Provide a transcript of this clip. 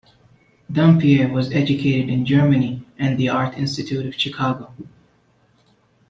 Dunbier was educated in Germany and the Art Institute of Chicago.